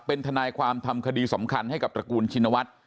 เป็นทนายความทำคดีสำคัญให้กับตระกูลชินวัฒน์